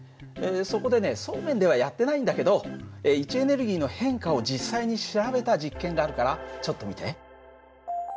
そこでねそうめんではやってないんだけど位置エネルギーの変化を実際に調べた実験があるからちょっと見て。